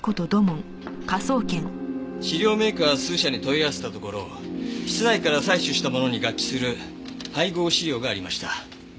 飼料メーカー数社に問い合わせたところ室内から採取したものに合致する配合飼料がありました。